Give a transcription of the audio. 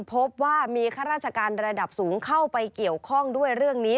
พบว่ามีข้าราชการระดับสูงเข้าไปเกี่ยวข้องด้วยเรื่องนี้